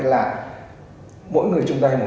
là mỗi người trong tay một thằng